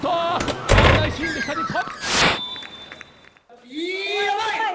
危ないシーンでした、日本！